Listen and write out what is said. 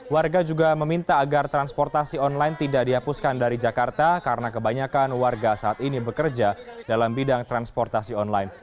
warga juga meminta agar transportasi online tidak dihapuskan dari jakarta karena kebanyakan warga saat ini bekerja dalam bidang transportasi online